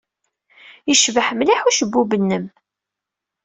Yecbeḥ mliḥ ucebbub-nnem.